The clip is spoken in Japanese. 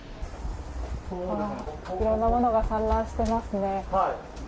いろんなものが散乱してますね。